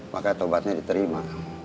maka tobatnya diterima